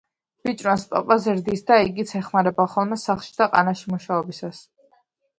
ბიჭუნას პაპა ზრდის და იგიც ეხმარება ხოლმე სახლში და ყანაში მუშაობისას.